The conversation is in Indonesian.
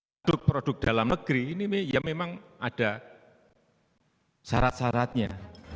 produk produk dalam negeri ini ya memang ada syarat syaratnya